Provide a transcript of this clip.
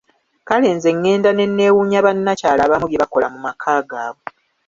Kale nze ngenda nenneewunya bannakyala abamu bye bakola mu maka gaabwe!